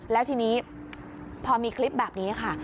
แล้วทีนี้พอมีคลิปแบบนี้ค่ะ